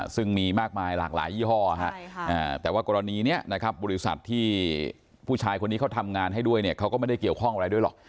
ซึ่งมีมากมายหลากหลายยี่ห้อแต่ว่ากรณีนี้นะครับบริษัทที่ผู้ชายคนนี้เขาทำงานให้ด้วยเนี่ยเขาก็ไม่ได้เกี่ยวข้องอะไรด้วยหรอก